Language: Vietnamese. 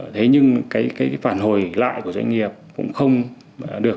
thế nhưng cái phản hồi lại của doanh nghiệp cũng không được